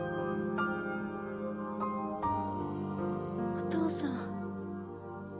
お父さん。